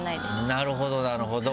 なるほどなるほど。